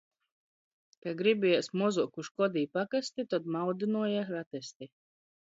Ka gribējēs mozuoku škodi i pakasti, tod maudynuoja ratesti.